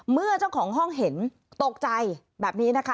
เมื่อเจ้าของห้องเห็นตกใจแบบนี้นะคะ